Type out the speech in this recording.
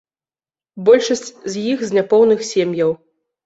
Большасць з іх з няпоўных сем'яў.